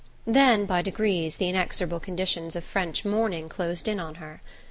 Then, by degrees, the inexorable conditions of French mourning closed in on her.